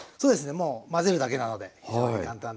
もう混ぜるだけなので非常に簡単です。